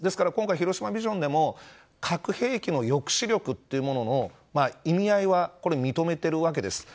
広島ビジョンでも核兵器の抑止力というものの意味合いは認めているわけです。